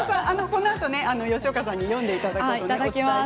このあと吉岡さんに読んでいただきます。